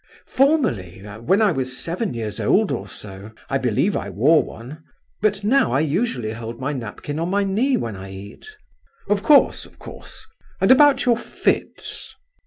"Formerly, when I was seven years old or so. I believe I wore one; but now I usually hold my napkin on my knee when I eat." "Of course, of course! And about your fits?"